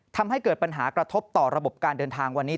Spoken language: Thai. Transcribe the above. ทำให้เกิดปัญหากระทบต่อระบบการเดินทางวันนี้